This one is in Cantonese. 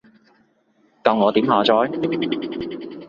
教我點下載？